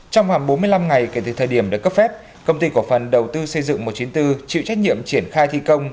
trong vòng bốn mươi năm ngày kể từ thời điểm được cấp phép công ty cổ phần đầu tư xây dựng một trăm chín mươi bốn chịu trách nhiệm triển khai thi công